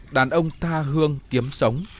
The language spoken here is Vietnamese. đàn ông tha hương kiếm sống